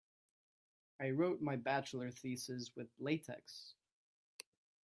I wrote my bachelor thesis with latex.